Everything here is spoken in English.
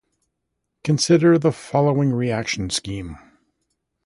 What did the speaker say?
Consider the following reaction scheme.